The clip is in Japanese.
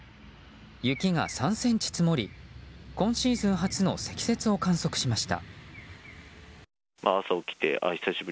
雪が３ｃｍ積もり今シーズン初の積雪を観測しました。